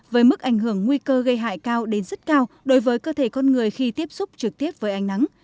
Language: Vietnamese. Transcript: với mức ảnh hưởng nguy cơ gây hại cao đến rất cao đối với cơ thể con người khi tiếp xúc trực tiếp với ánh nắng